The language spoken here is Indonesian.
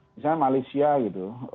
misalnya malaysia gitu